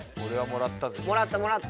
もらったもらった。